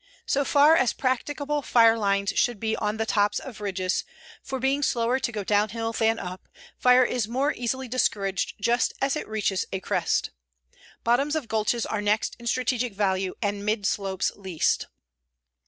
So far as practicable fire lines should be on the tops of ridges, for, being slower to go downhill than up, fire is more easily discouraged just as it reaches a crest. Bottoms of gulches are next in strategic value, and midslopes least.